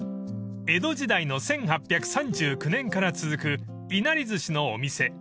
［江戸時代の１８３９年から続くいなり寿司のお店］